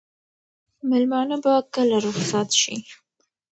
مېلمانه به کله رخصت شي؟